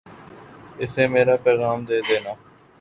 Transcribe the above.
اسے میرا پیغام دے دینا